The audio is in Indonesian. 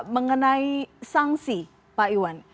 mengenai sanksi pak iwan